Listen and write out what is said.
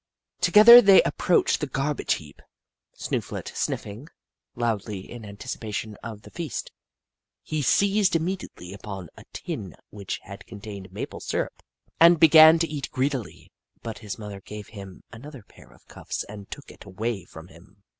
Together they approached the garbage heap, Snooflet sniffing loudly in anticipation of the feast. He seized immediately upon a tin which had contained maple syrup, and began to eat greedily, but his mother gave him an other pair of cuffs and took it away from him.